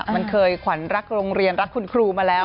มันเคยขวัญรักโรงเรียนรักคุณครูมาแล้ว